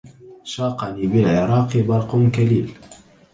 شاقني بالعراق برق كليل